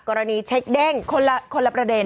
กรณีเช็คเด้งคนละประเด็น